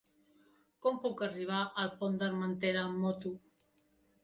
Com puc arribar al Pont d'Armentera amb moto?